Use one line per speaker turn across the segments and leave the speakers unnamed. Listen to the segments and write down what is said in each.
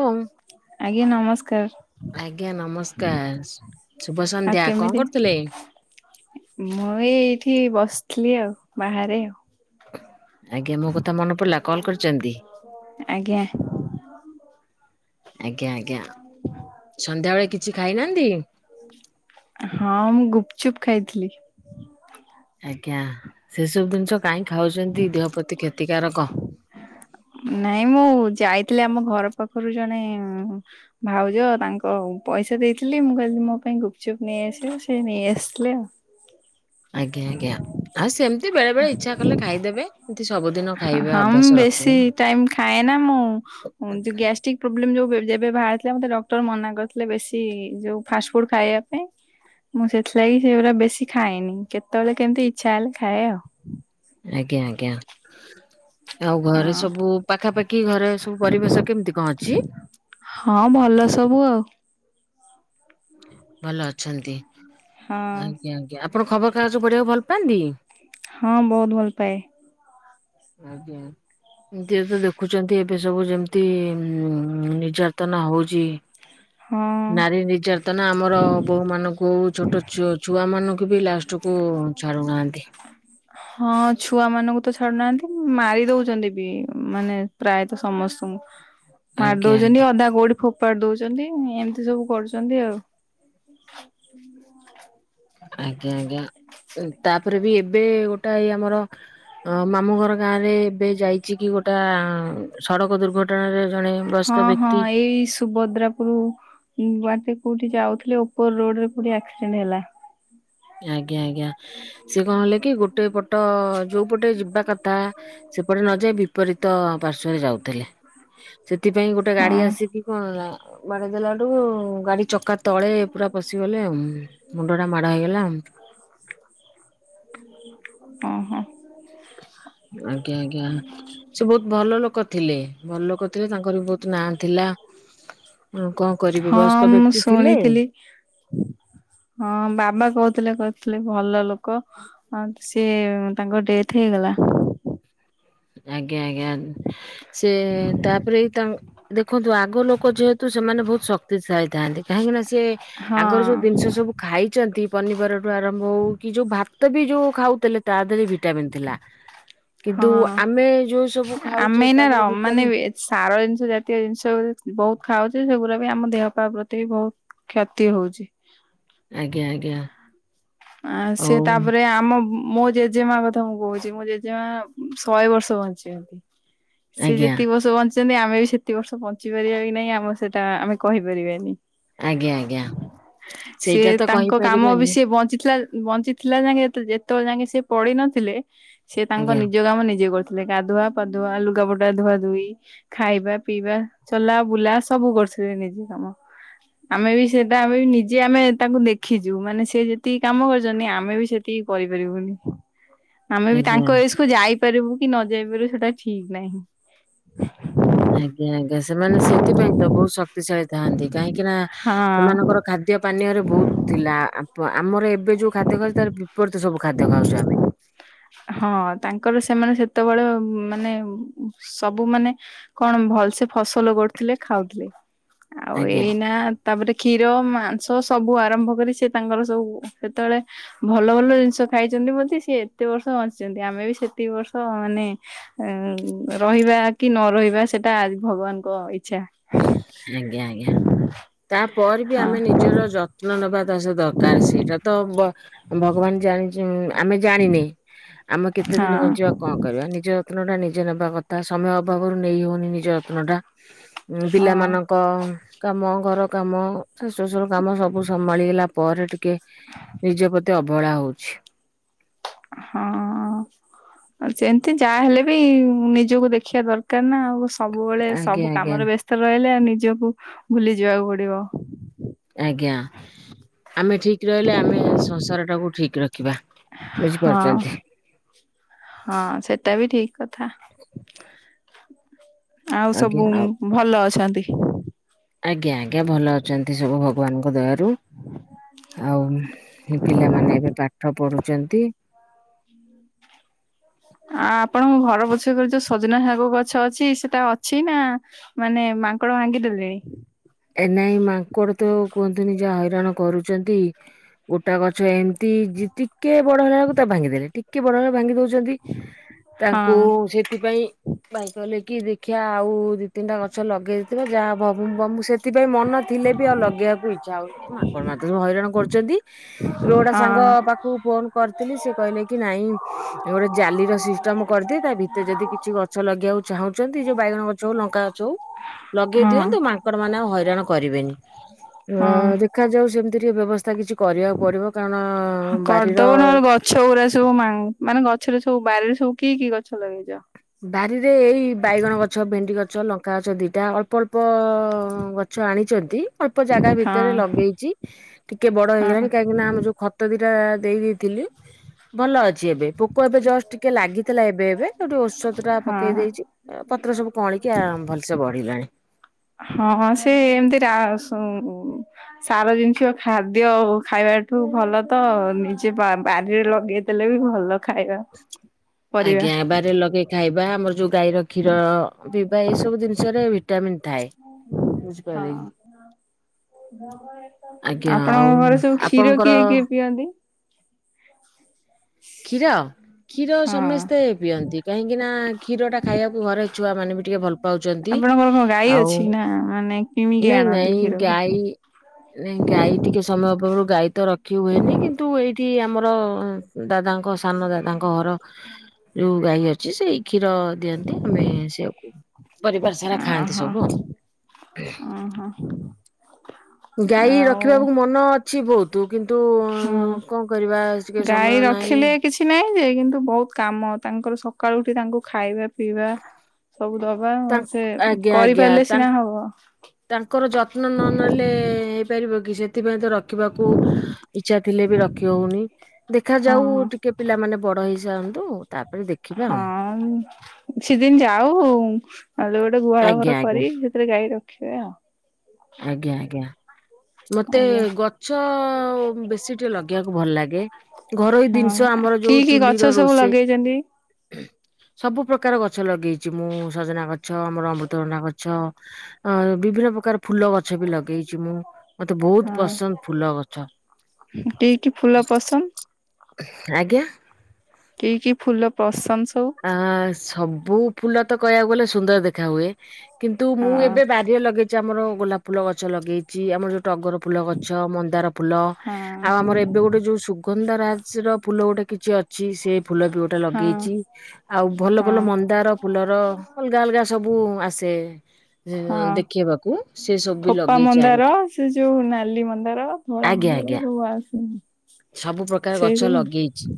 ଓଁ।
ଆଜ୍ଞା ନମସ୍କାର।
ଆଜ୍ଞା ନମସ୍କାର ଶୁଭ
ଆଉ
ସନ୍ଧ୍ୟା କଣ
କେମିତି
କରୁଥିଲେ?
ମୁଁ ଏ ଏଇଠି ବସିଥିଲି ଆଉ ବାହାରେ ଆଉ।
ଆଜ୍ଞା ମୋ କଥା ମନେ ପଡିଲା କଲ୍ କରିଛନ୍ତି?
ଆଜ୍ଞା।
ଆଜ୍ଞା ଆଜ୍ଞା ସନ୍ଧ୍ୟାବେଳେ କିଛି ଖାଇନାହାନ୍ତି?
ହଁ ମୁଁ ଗୁପଚୁପ ଖାଇଥିଲି।
ଆଜ୍ଞା ସେସବୁ ଜିନିଷ କାଇଁ ଖାଉଛନ୍ତି ଦେହ ପ୍ରତି କ୍ଷତିକାରକ।
ନାଇଁ ମୁଁ ଯାଇଥିଲି ଆମ ଘର ପାଖରୁ ଜଣେ ଭାଉଜ ତାଙ୍କ ପଇସା ଦେଇଥିଲି ମୁଁ କହିଲି ମୋ ପାଇଁ ଗୁପଚୁପ୍ ନେଇ ଆସିବ ସେ ନେଇ ଆସିଥିଲେ ଆଉ।
ଆଜ୍ଞା ଆଜ୍ଞା ହଁ ସେମ ସବୁଦିନ ଖାଇବା
ହଁ ମୁଁ
ଅଭ୍ୟାସ
ବେଶୀ
ରଖିବେନି।
ଟାଇମ ଖାଏନା ମୁଁ ହଁ ଯଉ ଗ୍ୟାଷ୍ଟିକ ପ୍ରୋବ୍ଲେମ୍ ଯଉ ଯେବେ ବାହାରିଥିଲା ମତେ ଡକ୍ଟର ମନା କରିଥିଲେ ବେଶୀ ଯଉ ଫାଷ୍ଟ ଫୁଡ ଖାଇବା ପାଇଁ। ମୁଁ ସେଥିଲାଗି ସେଗୁରା ବେଶୀ ଖାଏନି କେତେବେଳେ କେମିତି ଇଚ୍ଛା ହେଲେ ଖାଏ ଆଉ।
ଆଜ୍ଞା ଆଜ୍ଞା। ଆଉ ଘରେ
ହଁ।
ସବୁ ପାଖାପାଖି ଘରେ ସବୁ ପରିବେଶ କେମିତି କଣ ଅଛି?
ହଁ ଭଲ ସବୁ ଆଉ।
ଭଲ ଅଛନ୍ତି
ହଁ
ଆଜ୍ଞା ଆଜ୍ଞା ଆପଣ ଖବର କାଗଜ ପଢିବାକୁ ଭଲ ପାଆନ୍ତି?
ହଁ ବହୁତ ଭଲ ପାଏ।
ଆଜ୍ଞା। ନିଜେତ ଦେଖୁଛନ୍ତି ଏବେ ସବୁ ଯେମିତି ନିର୍ଯାତନା ହଉଛି
ହଁ।
ନାରୀ ନିର୍ଯାତନା ଆମର ବୋଉମାନଙ୍କୁ ଛୋଟ ଛୁ ଛୁଆମାନଙ୍କୁ ବି ଲାଷ୍ଟକୁ ଛାଡୁନାହାନ୍ତି।
ହଁ ଛୁଆମାନଙ୍କୁ ତ ଛାଡୁନାହାନ୍ତି ମାରି ଦଉଛନ୍ତି ବି ମାନେ ପ୍ରାୟତଃ ସମସ୍ତଙ୍କୁ। ମାରି
ଆଜ୍ଞା ଆଜ୍ଞା
ଦଉଛନ୍ତି ଅଧା କଉଠି ଫୋପାଡି ଦଉଛନ୍ତି ଏମିତି ସବୁ କରୁଛନ୍ତି ଆଉ। ହୁଁ
ଆଜ୍ଞା ଆଜ୍ଞା ତାପରେ ବି ଏବେ ଗୋଟାଏ ଆମର ଅ ମାମୁଁ ଘର ଗାଁରେ ଏବେ ଯାଇ ଛି କି ଗୋଟା ସଡ଼କ ଦୁର୍ଘଟଣାରେ ଜଣେ ବୟସ୍କ
ହଁ ହଁ
ବ୍ୟକ୍ତି
ଏଇ ସୁଭଦ୍ରାପୁର ବାଟେ କୋଉଠି ଯାଉଥିଲେ ଉପର ରୋଡ ରେ କୋଉଠି ଆକ୍ସିଡେଣ୍ଟ ହେଲା।
ଆଜ୍ଞା ଆଜ୍ଞା ସେ କଣ ହେଲା କି ଗୋଟେ ପଟ ଯୋଉପଟେ ଯିବା କଥା ସେପଟେ ନ ଯାଇ ବିପରୀତ ପାର୍ଶ୍ଵରେ ଯାଉଥିଲେ। ସେଥିପାଇଁ ଗୋଟେ ଗାଡି
ହଁ
ଆସିକି କଣ ହେଲା? ବାଡେଇ ଦେଲାଠୁ ଗାଡି ଚକା ତଳେ ପୁରା ପଶିଗଲେ ଆଉ। ମୁଣ୍ଡ ଟା ମାଡା ହେଇଗଲା ଆଉ।
ଓହୋ।
ଆଜ୍ଞା ଆଜ୍ଞା ସେ ବହୁତ ଭଲ ଲୋକ ଥିଲେ। ଭଲ ଲୋକ ଥିଲେ ତାଙ୍କର ବି ବହୁତ ନା ଥିଲା। ଆଉ କଣ କରିବେ
ହଁ
ବୟସ୍କ
ମୁଁ
ବ୍ୟକ୍ତି ଥିଲେ।
ଶୁଣିଥିଲି ହଁ ବାବା କହୁଥିଲେ କହୁଥିଲେ ଭଲ ଲୋକ। ହଁ ସିଏ ତାଙ୍କ ଡେଥ ହେଇଗଲା।
ଆଜ୍ଞା ଆଜ୍ଞା ସେ ତାପରେ ତାଙ୍କ ଦେଖନ୍ତୁ ଆଗ ଲୋକ ଯେହେତୁ ସେମାନେ ବହୁତ ଶକ୍ତିଶାଳୀ ଥାନ୍ତି। କାହିଁକିନା ସେ ଆଗରୁ ଯୋଉ
ହଁ
ଜିନିଷ ସବୁ ଖାଇଛନ୍ତି ପନିପରିବା ଠୁ ଆରମ୍ଭ ହଉ କି ଯୋଉ ଭାତ ବି ଯୋଉ ଖାଉଥିଲେ ତା ଦେହରେ ଭି ଟାମିନ୍ ଥିଲା କିନ୍ତୁ
ହଁ।
ଆମେ ଯୋଉ ସବୁ
ଆମେ
ଖାଉଚେ
ଏଇନା ର
ତାଧେରେ
ମାନେ
ଭିଟାମନ୍
ସାର ଜିନିଷ ଜାତୀୟ ଜିନିଷ ବି ବହୁତ ଖାଉଚି ସେଗୁଡା ବି ଆମ ଦେହ ପାହ ପ୍ରତି ବି ବହୁତ କ୍ଷତି ହଉଚି।
ଆଜ୍ଞା ଆଜ୍ଞା।
ଆ ସେ
ହଉ
ତାପରେ ଆମ ମୋ ଜେଜେମା କଥା ମୁଁ କହୁଚି। ମୋ ଜେଜେମା ଶହେ ବର୍ଷ ବଞ୍ଚିଚନ୍ତି। ସେ
ଆଜ୍ଞା
ଯେତିକି ବର୍ଷ ବଞ୍ଚିଛନ୍ତି ଆମେ ବି ସେତିକ ବର୍ଷ ବଞ୍ଚି ପାରିବା କି ନାଇଁ ଆମ ସେଟା ଆମେ କହିପାରିବାନି।
ଆଜ୍ଞା ଆଜ୍ଞା
ସେ
ସେଇଟା ତ
ତାଙ୍କ କାମ ବି
କହିପାରିବାନି
ସେ ବଞ୍ଚି ଥିଲା। ବଞ୍ଚିଥିଲା ଯାକେ ଯେତେବେଳେ ଯାକେ ସେ ପଡିିନଥିଲେ ସେ ତାଙ୍କ
ଆଜ୍ଞା
ନିଜ କାମ ନିଜେ କରୁ ଥିଲେ। ଗାଧୁଆ ପାଧୁଆ ଲୁଗାପଟା ଧୁଆ ଧୁଇ ଖାଇବା ପିଇବା ଚଲା ବୁଲା ସବୁ କରୁଥିଲେ ନିଜ କାମ। ଆମେ ବି ସେଟା ଆମେ ବି ନିଜେ ଆମେ ତାଙ୍କୁ ଦେଖିଚୁ ମାନେ ସେ ଯେ ଯେତିକି କାମ କରିଚନ୍ତି, ଆମେ ବି ସେତିକି କରିପାରିବୁନି। ଆମେ ବି
ଆଜ୍ଞା
ତାଙ୍କ ଏଜ୍ କୁ ଯାଇପାରିବୁ କି ନ ଯାଇ ପାରିବୁ ସେଟା ଠିକ ନାହିଁ।
ଆଜ୍ଞା ଆଜ୍ଞା ସେମାନେ ସେଥିପାଇଁ ତ ବହୁତ ଶକ୍ତିଶାଳୀ ଥାଆନ୍ତି। କାହିଁକି ନା
ହଁ
ସେମାନଙ୍କର ଖାଦ୍ ଖାଦୀୟ ପାନୀୟରେ ବହୁତ ଥିଲା। ଆମର ଏବେ ଯୋଉ ଖାଦ୍ୟ ଖାଉଚୁ ତାର ବିପରୀତ ସବୁ ଖାଦ୍ୟ ଖାଉଚୁ ଆମେ।
ହଁ ତାଙ୍କର ସେମାନେ ସେତେବେଳେ ମାନେ ସବୁ ମାନେ କଣ ଭଲସେ ଫସଲ କରୁ ଥିଲେ ଖାଉଥିଲେ। ଆଉ
ଆଜ୍ଞା
ଏଇନା ତାପରେ କ୍ଷୀର ମା ସ ସବୁ ଆରମ୍ଭ କରି ସେ ତାଙ୍କର ସବୁ ସେତେବେଳେ ଭଲ ଭଲ ଜିନିଷ ଖାଇଚନ୍ତି ବୋଲି ସେ ଏତେ ବର୍ଷ ବଞ୍ଚିଚନ୍ତି ଆମେ ବି ସେତିକି ବର୍ଷ ମାନେ ଏଁ ରହିବା କି ନ ରହିବା ସେଟା ଭଗବାନଙ୍କ ଇଚ୍ଛା।
ଆଜ୍ଞା ଆଜ୍ଞା ତାପରେ ବି ଆମେ ନି
ହଁ
ନିଜର ଯତ୍ନ ନେବା ତା ସହ ଦରକାର ସେଇଟା ତ ଭଗବାନ ଜାଣିଚି ଆମେ ଜାଣିନେ ଆମେ କେତେ ଦିନ ବଞ୍ଚିବା
ହଁ
କଣ? କରିବା ନିଜ ଯତ୍ନ ଟା ନିଜେ ନେବା କଥା ସମୟ ଅଭାବରୁ ନେଇ ହଉନି ନିଜ ଯତ୍ନ ଟା। ପିଲାମାନଙ୍କ କ କାମ ଘର କାମ ଶାଶୁ ଶ୍ୱଶୁର କାମ ସବୁ ସମ୍ଭାଳିଗଲା ପରେ ଟିକେ ନିଜ ପ୍ରତି ଅବହେଳା ହଉଚି।
ହଁ। ସେମିତି ଯାହାହେଲେ ବି ନିଜକୁ ଦେଖିବା ଦରକାର ନା ଆଉ। ସବୁବେଳେ
ଆଜ୍ଞା
ସବୁ
ଆଜ୍ଞା
କାମରେ ବ୍ୟସ୍ତ ରହିଲେ ନିଜକୁ ଭୁଲି ଯିବାକୁ ପଡିବ।
ଆଜ୍ଞା ଆମେ ଠିକ ରହିଲେ ଆମେ ସଂସାର ଟାକୁ ଠିକ ରଖିବା।
ହଁ।
ବୁଝିପାରୁଛନ୍ତି
ହଁ ସେଟା ବି ଠିକ କଥା, ଆଉ
ଆଜ୍ଞା
ସବୁ
ଆଉ
ଭଲ ଅଛନ୍ତି।
ଆଜ୍ଞା, ଆଜ୍ଞା ଭଲ ଅଛନ୍ତି ସବୁ ଭଗବାନଙ୍କ ଦୟାରୁ। ଆଉ ସେ ପିଲାମାନେ ଏବେ ପାଠ ପଢୁଚନ୍ତି।
ଆ, ଆପଣଙ୍କ ଘର ପଛକରେ ଯୋଉ ସଜନା ଶାଗ ଗଛ ଅଛି ସେଟା ଅଛି ନା ମାନେ ମାଙ୍କଡ଼ ଭାଙ୍ଗି ଦେଲେଣି?
ଏ ନାଇଁ ମାଙ୍କଡ ତ କୁହନ୍ତୁନି ଯାହା ହଇରାଣ କରୁଚନ୍ତି। ଗୋଟେ ଗଛ ଏମତି ଜିତି କେ ବଡ଼ ହେଲା ବେଳକୁ ତାକୁ ଭାଙ୍ଗିଦେଲେ। ଟିକେ ବଡ଼ ହେଲା ବେଳ ଭାଙ୍ଗି ଦଉଚନ୍ତି।
ହଁ
ତାଙ୍କୁ ସେଥିପାଇଁ ଭାଇ କହିଲେ କି ଦେଖିଆ ଆଉ ଦି ତିନିଟା ଗଛ ଲଗେଇ ଦେଇଥିବା। ଯାହା ହବ ହବ ବମୁ ସେ ଥିପାଇଁ ମନ ଥିଲେ ବି ଆଉ ଲଗେଇବାକୁ ଇଚ୍ଛା ହଉନି। ଏ ମାଙ୍କଡ଼ ମାନେ ତ ସବୁ ହଇରାଣ କରୁଚନ୍ତି। ରୋଡ଼୍
ହଁ
ସାଙ୍ଗ ପାଖ କୁ ଫୋନ୍ କରିଥିଲି, ସେ କହିଲେ କି ନାଇଁ ଏ ଗୋଟେ ଜାଲି ର ସିଷ୍ଟମ୍ କରିଦିଅ। ତା ଭି ତେ ଯଦି କିଛି ଗଛ ଲଗେଇବାକୁ ଚାହୁଁଚନ୍ତି ଯୋଉ ବାଇଗଣ ଗଛ ହଉ ଲଙ୍କା ଗଛ ହଉ ଲଗେଇ
ହଁ
ଦିଅନ୍ତୁ। ମା ଙ୍କଡ଼ ମାନେ ଆଉ ହଇରାଣ କରିବେନି। ଅ,
ହଁ।
ଦେଖାଯାଉ ସେମିତିରେ ବ୍ୟବସ୍ଥା କିଛି କରିବାକୁ ପଡ଼ିବ, କାରଣ ବାରିର
ଛଉରା ସବୁ ମା -ମାନେ ଗଛରୁ ସବୁ ବାରିରେ ସବୁ କି କି ଗଛ ଲଗେଇଚ?
ବାରିରେ ଏଇ ବାଇଗଣ ଗଛ, ଭେଣ୍ଡି ଗଛ, ଲଙ୍କା ଗଛ, ଦିଟା ଅ ଅଳ୍ପ ଅଳ୍ପ ଗଛ ଆଣିଚନ୍ତି। ଅଳ୍ପ ଜାଗା
ହଁ
ଭିତରେ ଲଗେଇଚି। ଟିକେ ବଡ଼ ହେଇଗଲାଣି।
ହଁ
କାହିଁକି ନା ଆମ ଯୋଉ ଖତ ଦିଟା ଦେଇ ଦେଇ ଥିଲି, ଭଲ ଅଛି ଏବେ ପୋକ ଏବେ ଜଷ୍ଟ ଟିକେ ଲାଗିଥିଲା ଏବେ ଏବେ। ସେଇଠୁ ଔଷ ଷଧ ଟା ପକେଇ ଦେଇଛି। ଓ ପତ୍ର ସବୁ କଅଁଳିକି ଆ ଭଲସେ ବଢ଼ିଲାଣି।
ହଁ ସେ ଏମିତି ରା ସୁ ସାର ଜିନିକ୍ଷ ଖାଦ୍ୟ ଖାଇବାଠୁ ଭଲ ତ ନିଜେ ବା -ବାଡ଼ିରେ ଲଗେଇ ହେଲେ ବି ଭଲ। ଖାଇବା ପରିବା
ଆଜ୍ଞା ବାରିରେ ଲଗେଇ ଖାଇବା ଆମର ଯୋଉ ଗାଈର କ୍ଷୀର ପିଇବା, ଏଇ ସବୁ ଜିନିଷରେ ଭି ଟାମିନ୍ ଥାଏ।
ହଁ
ବୁଝିପାରିଲେ କି? ଆଜ୍ଞା ଆଉ
ଆପଣଙ୍କ ଘରେ ସବୁ କ୍ଷୀର
ଆପଣଙ୍କର
କିଏ କିଏ ପିଅନ୍ତି?
କ୍ଷୀର? କ୍ଷୀର
ହଁ
ସମସ୍ତେ ପିଅନ୍ତି। କାହିଁକି ନା କ୍ଷୀର ଟା ଖାଇବାକୁ ଘରେ ଛୁଆମାନେ ବି ଟିକେ ଭଲ ପାଉଚନ୍ତି।
ଆପଣଙ୍କର କଣ ଗାଈ
ଆଉ
ଅଛି ନା ମାନେ କିଣିକି
ନାଇଁ
ଆଣନ୍ତି
ନାଇଁ
କ୍ଷୀର
ଗାଈ ନାଇଁ ଗାଈ ଟିକେ ସମୟ ଅଭାବରୁ ଗାଈ ତ ରଖି ହୁଏନି। କିନ୍ତୁ ଏଇଠି ଆମର ଅଁ, ଦାଦାଙ୍କ ସାନ ଦାଦାଙ୍କ ଘର ଯୋଉ ଗାଈ ଅଛି ସେଇ କ୍ଷୀର ଦିଅନ୍ତି, ଆମେ ସେଇଆକୁ ପରିବାର ସାରା ଖାଆନ୍ତି ସବୁ ଆଉ।
ଅଁ, ହଁ।
ଗାଈ ରଖିବାକୁ ମନ ଅଛି ବହୁ ତୁ କିନ୍ତୁ
ହୁଁ
ଅଁ, କଣ କରିବା ଟିକେ
ଗାଈ
ସମୟ ନାହିଁ?
ରଖିଲେ କିଛି ନାହିଁ ଯେ କିନ୍ତୁ ବହୁତ କାମ। ତାଙ୍କର ସକାଳୁ ଉଠି ତାଙ୍କୁ ଖାଇବା ପିଇବା ସବୁ ଦବା
ତାଙ୍କ
ସେ
ଆଜ୍ଞା ଆଜ୍ଞା
କରିପାରିଲେ
ତାଙ୍କ
ସିନା ହବ।
ତାଙ୍କର ଯତ୍ନ ନ ନେଲେ ହେଇପାରିବ କି? ସେଥିପାଇଁ ତ ରଖିବାକୁ ଇଚ୍ଛା ଥିଲେ ବି ରଖିହଉନି। ଦେଖା
ହଁ
ଯାଉ ଟିକେ ପିଲାମାନେେ ବଡ଼ ହେଇ ସାରନ୍ତୁ, ତାପରେ ଦେଖିବା।
ସେଦିନ ଯାଉ ଯୋଉ ଗୋଟେ ଗୁହାଳ
ଆଜ୍ଞା
ଘର
ଆଜ୍ଞା
କରି ଫେରେ ଗାଈ ରଖିବେ ଆଉ।
ଆଜ୍ଞା ଆଜ୍ଞା। ମତେ
ଆଜ୍ଞା
ଗଛ ବେଶୀ ଟିକେ ଲଗେଇବାକୁ ଭଲ ଲାଗେ। ଘରୋଇ
ହଁ
ଜିନିଷ ଆମର
କି
ଯୋଉ
କି ଗଛ
ଚୁଲିର
ସବୁ
ରୋଷେଇ।
ଲଗେଇଛନ୍ତି
ସବୁ ପ୍ରକାର ଗଛ ଲଗେଇଛି ମୁଁ ସଜନା ଗଛ ମୋର ଅମୃତଭଣ୍ଡା ଗଛ। ଅ ବିଭିନ୍ନ ପ୍ରକାର ଫୁଲ ଗଛ ବି ଲଗେଇଛି ମୁଁ ମତେ ବହୁତ
ହଁ
ପସନ୍ଦ ଫୁଲ ଗଛ।
କି କିି ଫୁଲ ପସନ୍ଦ?
ଆଜ୍ଞା।
କି କି ଫୁଲ ପସନ୍ଦ ସବୁ?
ଆଁ ସବୁ ଫୁଲ ତ କହିବାକୁ ଗଲେ ସୁନ୍ଦର ଦେଖା ହୁଏ କିନ୍ତୁ ମୁଁ
ହଁ
ଏବେ ବା ରିରେ ଲଗେଇଛି ଆମର ଗୋଲାପ ଫୁଲ ଗଛ ଲଗେଇଛି ଆମର ଯୋଉ ଟଗର ଫୁଲ ଗଛ ମନ୍ଦାର ଫୁଲ ଆଉ
ହଁ
ଆମର ଏବେ ଗୋଟେ ଯୋଉ ସୁବ୍ କୁଣ୍ଡ ରାଜ ର ଫୁଲ ଗୋଟେ କିଛି ଅଛି ସିଏ ସେ ଫୁଲ ବି ଗୋଟେ
ହଁ
ଲଗେଇଚି। ଆଉ ଭଲ ଭଲ
ହଁ
ମନ୍ଦାର ଫୁଲର ଅଲଗା ଅଲଗା ସବୁ ଆସେ।
ହଁ
ଦେଖେଇବାକୁ ସେ ସବୁ ବି
ଖୋପା
ଲଗେଇଛି
ମନ୍ଦାର
ଆଣିକି
ସିଏ ଯୋଉ ନାଲି ମନ୍ଦାର। ଧଳା
ଆଜ୍ଞା
ମନ୍ଦାର
ଆଜ୍ଞା
ଯୋଉ ଆସେ ନି?
ସବୁ ପ୍ରକାର ଗଛ ଲଗେଇଚି।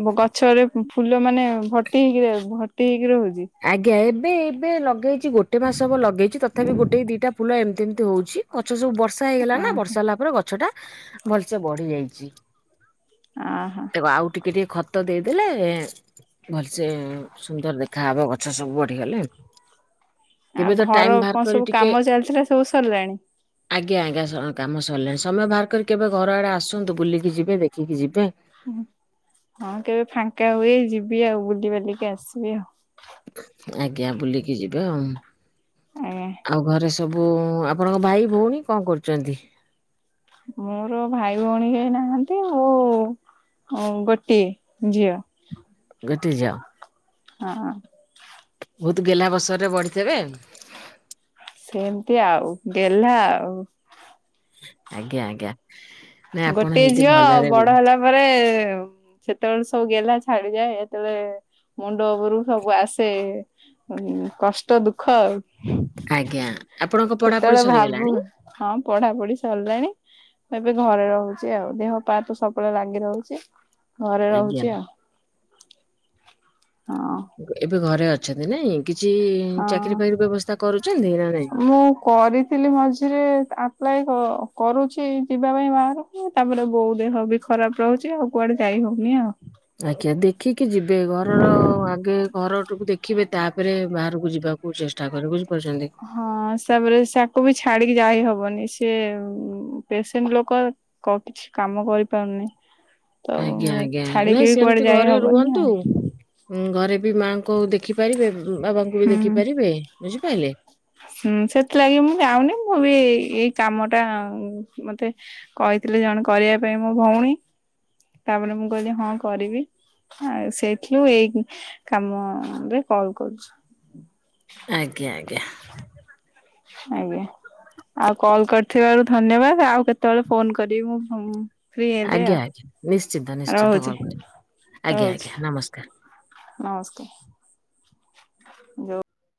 ଉଁ ବୋ ଗଛରେ ଫୁଲ ମାନେ ଭର୍ତ୍ତି ହେଇକି ରହିବ ଭର୍ତ୍ତି ହେଇକି ରହୁଛି।
ଆଜ୍ଞା ଏବେ ଏବେ ଲଗେଇଛି ଗୋଟେ ମାସ ହବ ଲଗେଇଚି ତଥାପି ଗୋଟେ ଦିଟା ଫୁଲ ଏମିତି ଏମିତି ହଉଚି। ଗଛ ସବୁ ବର୍ଷା ହେଇଗଲା ନା
ଅହ
ବର୍ଷା ହେଲା ପରେ ଗଛ ଟା ଭଲସେ ବଢି ଯାଇଚି।
ଉଁ ହୁଁ।
ହେବା ଆଉ ଟିକେ ଟିକେ ଖତ ଦେଇଦେଲେ ଏଁ ଭଲସେ ସୁନ୍ଦର ଦେଖ ଖା ହବ ଗଛ ସବୁ ବଢିଗଲେ। କେବେ
ଆଉ
ତ ଟାଇମ
ଘର
ବାହାର
କଣ
କରି
ସବୁ
ଟିକେ
କାମ ଚାଲିଥିଲା ସବୁ ସରିଲାଣି?
ଆଜ୍ଞା ଆଜ୍ଞା ସମୁ କାମ ସରିଲାଣି ସମୟ ବାହାର କରି କେବେ ଘର ଆଡ଼େ ଆସନ୍ତୁ ବୁଲିକି ଯିବେ ଦେଖିକି ଯିବେ।
ହୁଁ ହଁ କେବେ ଫାଙ୍କା ହୁଏ ଯିବି ଆଉ ବୁଲିିବାଲି କି ଆସିବି ଆଉ।
ଆଜ୍ଞା ବୁଲିକି ଯିବେ ଆଉଁ
ଆଜ୍ଞା
ଆଉ ଘରେ ସବୁ ଆପଣଙ୍କ ଭାଇ ଭଉଣୀ କଣ କରୁଛନ୍ତି?
ମୋର ଭାଇ ଭଉଣୀ କେହି ନାହାନ୍ତି ଆଉ ଉଁ ଗୋଟିଏ ଝିଅ।
ଗୋଟେ ଝିଅ?
ହଁ।
ବହୁତ ଗେଲା ବସରରେ ବଢିଥିବେ ବେ
ସେମିତି ଆଉ ଗେଲ୍ହା ଆଉ।
ଆଜ୍ଞା ଆଜ୍ଞା। ନାଇଁ ଆପଣ
ଗୋଟିଏ
ଏମିତି
ଝିଅ ଆଉ
ଭଲରେ
ବଡ
ରୁହନ୍ତୁ
ହେଲା ପରେ ସେତେବେଳେ ସବୁ ଗେଲ୍ହା ଛାଡିଯାଏ ଯେତେବେଳେ ମୁଣ୍ଡ ଉପରୁ ସବୁ ଆସେ ହୁଁ କଷ୍ଟ ଦୁଃଖ ଆଉ
ଆଜ୍ଞା ଆପଣଙ୍କ ପଢାପଢି
ସେତେବେଳେ ଭାବୁ
ସରିଗଲାଣି?
ହଁ ପଢା ପଢି ସରିଲାଣି। ଏବେ ଘରେ ରହୁଛି ଆଉ ଦେହ ପାତ ସବୁବେଳେ ଲାଗି ରହୁଛି। ଘରେ
ଆଜ୍ଞା।
ରହୁଛି ଆଉ ହଁ।
ଏବେ ଘରେ ଅଛନ୍ତି ନାଇଁ କିଛି
ହଁ
ଚାକିରି ଫାକିରି ବ୍ୟବସ୍ଥା କରୁଛନ୍ତି ନା ନାଇଁ?
ମୁଁ କରି ଥିଲି ମଝିରେ ଆପ୍ଲାଏ କ କରୁଚି ଯିବା ପାଇଁ ବାହାରକୁ ତାପରେ ବୋଉ ଦେହ ବି ଖରାପ୍ ରହୁଛି ଆଉ କୁଆଡ଼େ ଯାଇ ହଉନି ଆଉ
ଆଜ୍ଞା ଦେ ଖିକି ଯିବେ ଘରର ଆଗେ ଘରଟୁକୁ ଦେଖିବେ ତାପରେ ବାହାରକୁ ଯିବାକୁ ଚେଷ୍ ତାପରେ ବୁଝିପାରୁଛନ୍ତି।
ହଁ ସାବରେ ସାକୁବି ଛାଡ଼ିକି ଯାଇ ହବନି ସିଏ ଉଁ ପେସେଣ୍ଟ ଲୋକ କ କିଛି କାମ କରିପାରୁନି। ତ
ଆଜ୍ଞା ଆଜ୍ଞା
ଛାଡିକି
ନାଇଁ
ବି କୁଆଡେ
ସେମିତି
ଯାଇ
ଘରେ
ହବନି
ରୁହନ୍ତୁ।
ଆଉ
ଉଁ ଘରେବି ମାଆଙ୍କୁ ଦେଖି ପାରିବେ ଉଁ ବାବାଙ୍କୁବି
ହୁଁ
ଦେଖି ପାରିବେ ବୁଝିପାଇଲେ?
ହୁଁ ସେଥିଲାଗି ମୁଁ ଯାଉନି ମୁଁବି ଏଇ କାମଟା ମତେ କହିଥିଲି ଜଣେ କରିବା ପାଇଁ ମୋ ଭଉଣୀ ତାପରେ ମୁଁ କହିଲି ହଁ କରିବି। ହଁ ସେଇଥିଲୁ ଏଇ କାମରେ କଲ୍ କରୁଚି।
ଆଜ୍ଞା ଆଜ୍ଞା।
ଆଜ୍ଞା। ଆଉ କଲ୍ କରିଥିବାରୁ ଧନ୍ୟବାଦ ଆଉ କେତେବେଳେ ଫୋନ୍ କରିବି ମୁଁ ଫ୍ରି ହେଲେ
ଆଜ୍ଞା
ଆଉ
ଆଜ୍ଞା ନିଶ୍ଚିନ୍ତ ନିଶ୍ଚିନ୍ତ
ରହୁଛି
କଲ୍ କରିବି ଆଜ୍ଞା
ରହୁଛି।
ଆଜ୍ଞା ନମସ୍କାର।
ନମସ୍କାର। ଯୋଉ